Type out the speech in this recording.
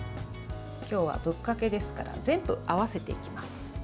今日はぶっかけですから全部、合わせていきます。